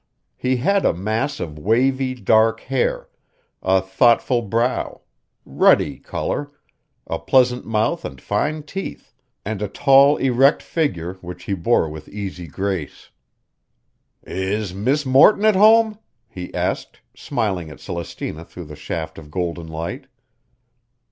He had a mass of wavy, dark hair; a thoughtful brow; ruddy color; a pleasant mouth and fine teeth; and a tall, erect figure which he bore with easy grace. "Is Miss Morton at home?" he asked, smiling at Celestina through the shaft of golden light.